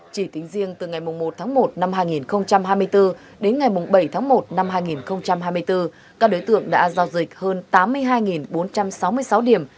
chỉ tính riêng từ ngày một một hai nghìn hai mươi bốn đến ngày bảy một hai nghìn hai mươi bốn các đối tượng đã giao dịch hơn tám mươi hai bốn trăm sáu mươi sáu điểm